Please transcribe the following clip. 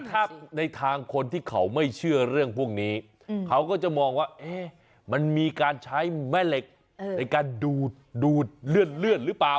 ถ้าในทางคนที่เขาไม่เชื่อเรื่องพวกนี้เขาก็จะมองว่ามันมีการใช้แม่เหล็กในการดูดเลือดหรือเปล่า